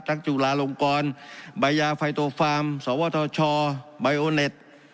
ทั้งจุฬาลงกรใบยาไฟโตฟาร์มสวทชบายโอนเน็ต